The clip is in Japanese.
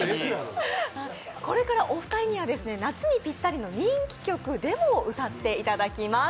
これからお二人には夏にぴったりの人気曲「ｄｅｍｏ」を歌っていただきます。